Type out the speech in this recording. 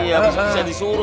iya bisa disuruh